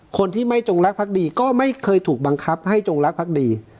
คนที่ไม่จงรักพักดีก็ไม่เคยถูกบังคับให้จงรักพักดี